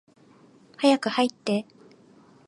早く入って。